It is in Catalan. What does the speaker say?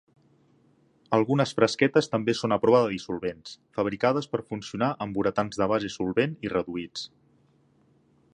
Algunes frasquetes també són a prova de dissolvents, fabricades per funcionar amb uretans de base solvent i reduïts.